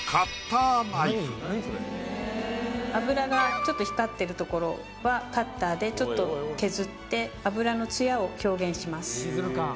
油がちょっと光ってるところはカッターでちょっと削って油のツヤを表現します。